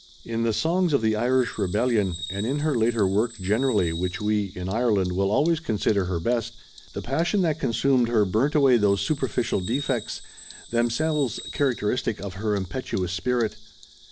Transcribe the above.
In the "Songs of the Irish Rebellion" and in her later work generally which we, in Ireland, will always consider her best, the passion that consumed her burnt away these superficial defects, themselves characteristic of her impetuous spirit.